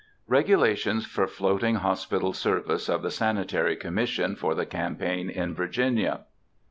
REGULATIONS FOR FLOATING HOSPITAL SERVICE OF THE SANITARY COMMISSION, FOR THE CAMPAIGN IN VIRGINIA.